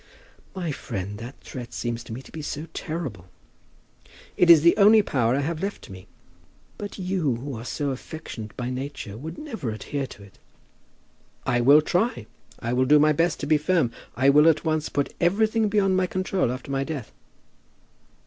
"My friend, that threat seems to me to be so terrible." "It is the only power I have left to me." "But you, who are so affectionate by nature, would never adhere to it." "I will try. I will do my best to be firm. I will at once put everything beyond my control after my death."